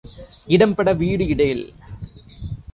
இடம் பட வீடு இடேல்.